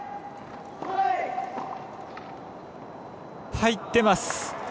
入ってます。